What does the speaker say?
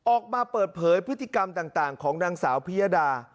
ออกมาเปิดเผยพฤติกรรมต่างของนางสาวพิยดา